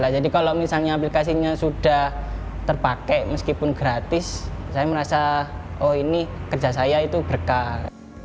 jadi kalau misalnya aplikasinya sudah terpakai meskipun gratis saya merasa oh ini kerja saya itu berkah